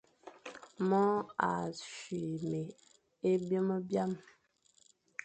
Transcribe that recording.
Môr a soghé me é byôm hyam,